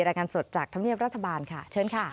รายงานสดจากธรรมเนียบรัฐบาลค่ะเชิญค่ะ